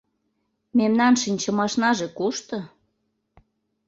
Мемнан шинчымашнаже кушто?